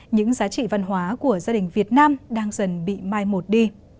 những giá trị văn hóa của gia đình việt nam đang dần bị mai một đi